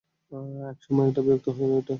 একসময় এটা বিরক্তিকর হয়ে ওঠে।